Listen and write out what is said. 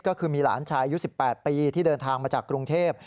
ก็คือมีหลานชายอายุ๑๘ปีที่เดินทางมาจากกรุงเทพ